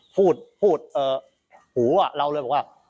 พูดพูดหูเราเลยบอกว่า